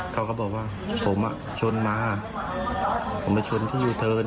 เขาก็บอกว่าผมอ่ะชนมาผมมาชนที่ยูเทิร์น